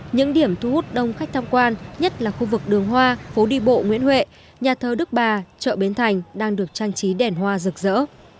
những điểm thu hút đông khách tham quan nhất là khu vực đường hoa phố đi bộ nguyễn huệ nhà thơ đức bà chợ bến thành đang được trang trí đèn hoa rực rỡ